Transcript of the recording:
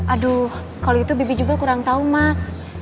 aduh kalau itu bibi juga kurang tahu mas